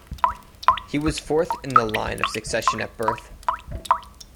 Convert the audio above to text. He was fourth in the line of succession at birth.